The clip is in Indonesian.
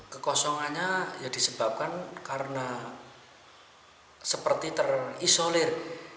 kekosongannya ya disebabkan karena seperti terisolir